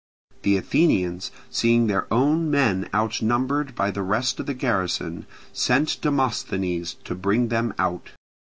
The Athenians, seeing their own men outnumbered by the rest of the garrison, sent Demosthenes to bring them out.